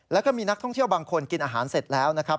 แล้วก็มีนักท่องเที่ยวบางคนกินอาหารเสร็จแล้วนะครับ